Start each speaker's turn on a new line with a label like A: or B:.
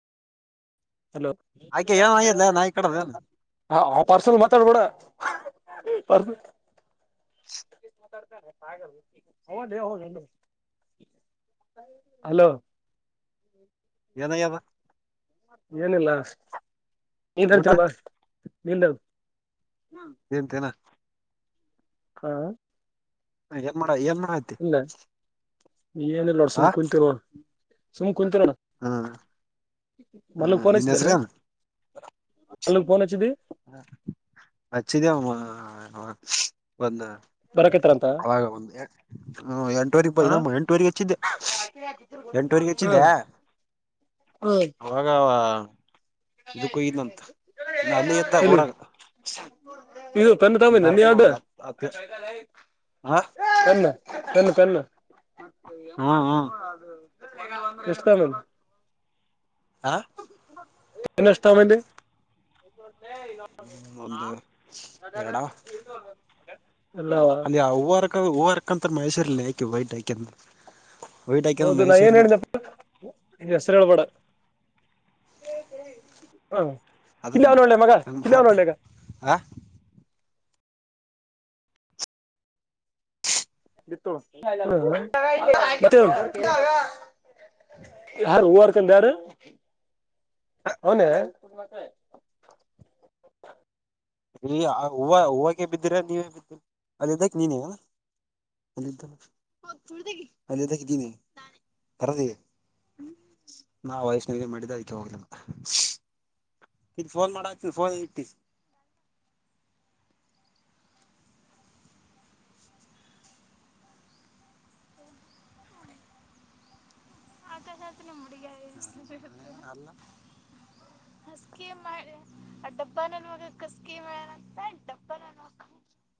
A: Low
B: ಆಕೆ ಏನ ಆಗ್ಯದ್ಲ ನಾಯಿ ಕಡದ ಏನ್
A: ಹ ಆ ಪಾರ್ಸಲ್ ಮಾತಾಡ್ಬೋಡ ಪ
B: [inaudible]
A: ಹ ಹ ಹಲೋ
B: ಏನ ಯಾವ
A: ಏನಿಲ್ಲಾ. ನೀ ಬರ್ತೀರ ಬಾ ನಿಂದ
B: ಏಂತೇನಾ
A: ಆ
B: ಹ ನ್ ಮಾಡರ ಏನ್ ಆಯ್ತ
A: ಏನಿಲ್ಲ ನೋಡ್ ಸುಮ್ಮ್ ಕುಂತಿ ನೋಡ ಸ ಕುತ್ ನೋಡ
B: ಹ್ಮ
A: ಮಲ್ಲಿಗ್
B: ನಿನ್
A: ಪೋನಸಿದ್ದೇನ
B: ಹೆಸ್ರೇನ್
A: ಅಲ್ಲುಗ ಫೋನ್ ಹಚ್ಚಿದ್ದಿ.
B: ಹಚ್ಚಿದೇವಮ್ಮ ಒಂದ
A: ಬರಕತ್ತಾರಂತ
B: ಅವಾಗ ಒ ಎಂಟವರೆ
A: ಆ
B: ಎಂಟುವರೆಗೆ ಹೆಚ್ಚಿದ್ದೆ ಎಂಟುವಗೆ ಹೆಚ್ಚಿದ್ದೆ
A: ಹಾ
B: ಅವಾಗ ಇದಕ್ಕ ಹೋಗಿದ್ದನಂತ ನಾ ಅಲ್ಲೇ ಇತ್ತ
A: ಎಲ್ಲಿ
B: ಊರಾಗ
A: ಇದು ಪನ್ನ ತಗೊಬಂದಿ ಏನ್
B: ಬರ್ತನ
A: ಯಾವ್ದ್
B: ಒಂದ್ ಹತ್ ಹ
A: ಪನ್ನ. ಪೆನ್ನ್ ಪೆನ್ನ್ ಮತ್ತ ಹೆಂಗ್
B: ಹ್ಮ್
A: ಮಾಡ್ತ್
B: ಹ್ಮ್
A: ನೋಡ ಅದ. [unintelligible]
B: ಆ
A: ಇನ್ನ್ ಎಷ್ಟ್ ತುಗೋಬಂದಿ.
B: ಒಂದ ಎರಡಾ
A: ಎಲ್ಲಾ
B: ಹವರ್ಕಂತ ಮೈಸೂರಿಲ್ಲಿ ಹಾಕಿ ಬೈಟ್ ಹಾಕೇಂದ್
A: ಹೌದು ನಾ ಏನ್ ಹೇಳಿದಪ್ಪ ಈ ಹೆಸರು ಹೇಳ್ ಬೇಡಾ ಆ
B: ಅದ್ರ
A: ಕಿಲ್ಲಳ್ ನೋಡ್ಲೆ ಮಗಾ ಕಿಲ್ಲಾಳ್ ನೋಡ್ಲೇಗ.
B: ಆ
A: [unintelligible] ಯಾರು ಓವರ್ ತೆಗ್ದರ್ ಅವ್ನೆ
B: ಹೂ ಹೂವಕ ಬಿದ್ದೀರ ನೀವೇ ಬಿದ್ದಿರಿ ಅಲ್ಲಿ್ದಕ್ಕೆ ನೀನ ಅ ಅ ನೀ ಬರದ ನಾ ವಯಷ್ಣ ಮಾಡಿದ್ದೆ ಅದಕ್ಕೆ ಹೋಗಫೋನ್ ಮಾಡ ಫೋನ್ ಇಟ್ಟ ಆ ನಿಮ್ ಹುಗ ಹಸ್ಕಿ ಮೆ ಆ ಡಬ್ಬ ನನ್ ಹೋಗಕ್ ಹಸ್ಕಿ ಮೆ ಆಗ್ತ ಡಬ್ಬ ನ